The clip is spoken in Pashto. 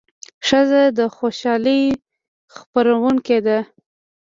ښځه د خوشالۍ خپروونکې ده.